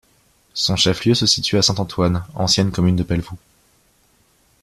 Son chef-lieu se situe à Saint-Antoine, ancienne commune de Pelvoux.